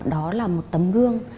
đó là một tấm gương